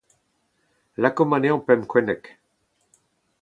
Lakaomp anezhañ pemp gwenneg.